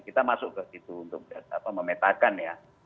kita masuk ke situ untuk memetakan ya